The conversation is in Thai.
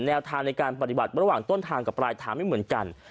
แนวทางในการปฏิบัติระหว่างต้นทางกับปลายทางไม่เหมือนกัน